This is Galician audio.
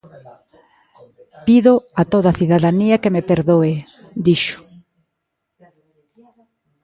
"Pido a toda a cidadanía que me perdoe", dixo.